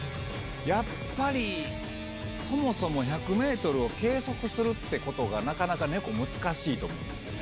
やっぱりそもそも１００ｍを計測するってことがなかなかネコ難しいと思うんですよね。